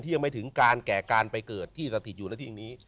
ยังไม่ถึงการแก่การไปเกิดที่สถิตอยู่ในที่นี้